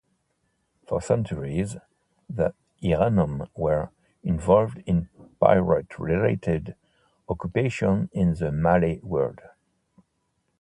For centuries, the Iranun were involved in pirate-related occupations in the Malay world.